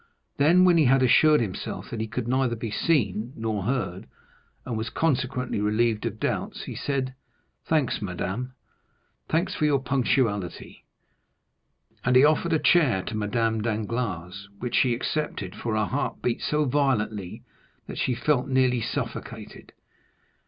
Then, when he had assured himself that he could neither be seen nor heard, and was consequently relieved of doubts, he said: "Thanks, madame,—thanks for your punctuality;" and he offered a chair to Madame Danglars, which she accepted, for her heart beat so violently that she felt nearly suffocated.